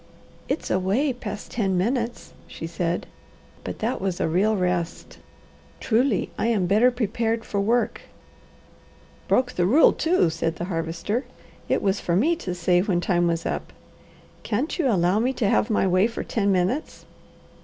"It's away past ten minutes," she said, "but that was a real rest. Truly, I am better prepared for work." "Broke the rule, too!" said the Harvester. "It was, for me to say when time was up. Can't you allow me to have my way for ten minutes?"